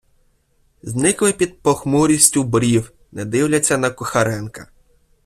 Зникли під похмурістю брів, не дивляться на Кухаренка.